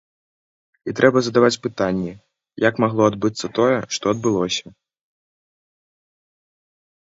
І трэба задаваць пытанні, як магло адбыцца тое, што адбылося.